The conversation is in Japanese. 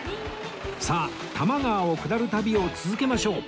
さあ多摩川を下る旅を続けましょう！